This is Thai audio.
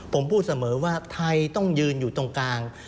ผมพูดเสมอว่าไทยต้องยืนอยู่ตรงกลาง